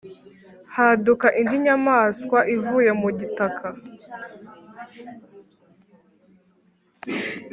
Haduka indi nyamaswa ivuye mu gitaka